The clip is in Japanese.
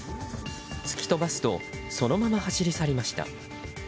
突き飛ばすとそのまま走り去りました。